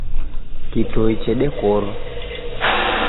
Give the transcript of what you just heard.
Kitoi chedekorwa.